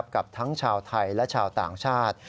กับทั้งชาวไทยและชาวต่างชาติ